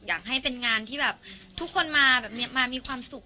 อยากให้เป็นงานที่แบบทุกคนมามีความสุข